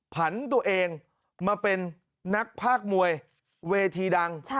ผันตัวเองมาเป็นนักภาคมวยเวทีดัง